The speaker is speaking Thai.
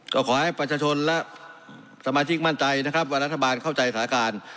ก็ขอให้ประชาชนและสมาชิกมั่นใจนะครับว่ารัฐบาลเข้าใจสถานการณ์